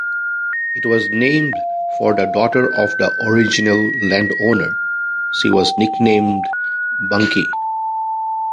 It was named for the daughter of the original landowner; she was nicknamed Bunkie.